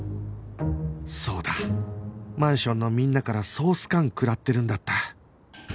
そうだマンションのみんなから総スカン食らってるんだった